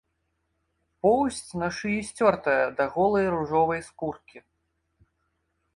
Поўсць на шыі сцёртая да голай ружовай скуркі.